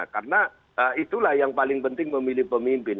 karena itulah yang paling penting memilih pemimpin